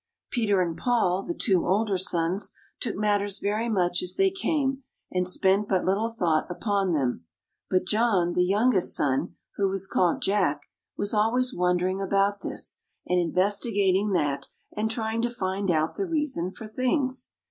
Peter and Paul, the two older sons, took matters very much as they came, and spent but little thought upon them. But John, the youngest son, who was called Jack, was always wondering about this, and investi gating that, and trying to find out the reason for things.